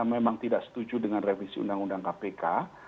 memang tidak setuju dengan revisi undang undang kpk